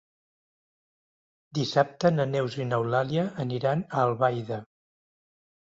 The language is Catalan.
Dissabte na Neus i n'Eulàlia aniran a Albaida.